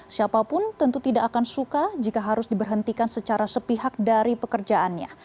siapapun tentu tidak akan suka jika harus diberhentikan secara sepihak dari pekerjaannya